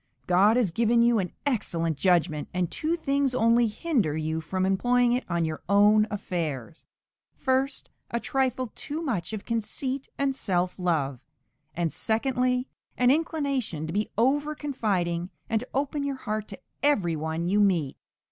God has given you an excellent judgment, and two things only hinder you from employing it on your own affairs: first, a trifle too much of conceit and self love, and, secondly, an inclination to be over confiding and to open your heart to every one you meet.